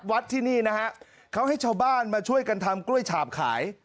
ที่นี่นะฮะเขาให้ชาวบ้านมาช่วยกันทำกล้วยฉาบขาย